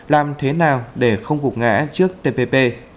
làm thế nào để không cục ngã trước tpp